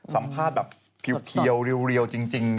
สัมภาษณ์แบบเพียวเรียวจริง